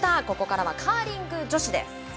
ここからはカーリング女子です。